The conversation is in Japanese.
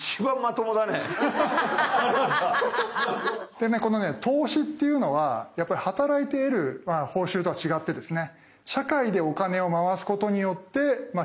でねこの投資っていうのはやっぱり働いて得る報酬とは違ってですね